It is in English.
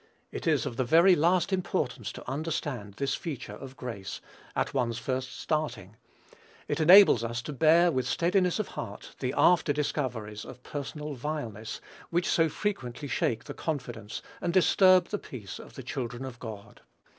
It is of the very last importance to understand this feature of grace at one's first starting; it enables us to bear with steadiness of heart the after discoveries of personal vileness which so frequently shake the confidence and disturb the peace of the children of God.